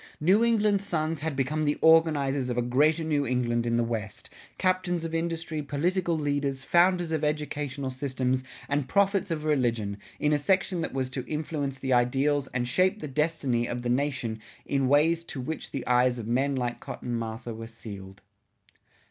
New England's sons had become the organizers of a Greater New England in the West, captains of industry, political leaders, founders of educational systems, and prophets of religion, in a section that was to influence the ideals and shape the destiny of the nation in ways to which the eyes of men like Cotton Mather were sealed.